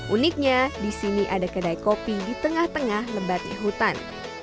uniknya di sini ada kedai kopi di tengah tengah lebatnya hutan